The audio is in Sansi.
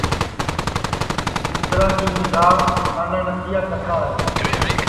اُس مندرا کی نیگھا نانا نتھیا کرتا ہے